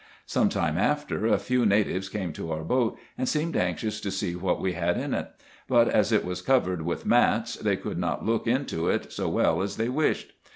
Some time after, a few natives came to our boat, and seemed anxious to see what we had in it ; but as it was covered with mats, they could not look into it so well as they wished.